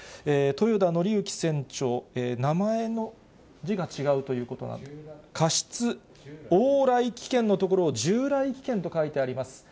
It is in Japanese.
豊田徳幸船長、名前の字が違うということ、過失往来危険のところを、従来危険と書いてあります。